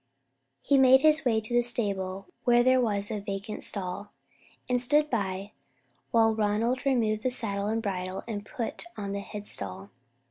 He made his way to the stable, where there was a vacant stall, and stood by while Ronald removed the saddle and bridle and put on the head stall.